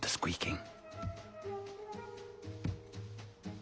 ん。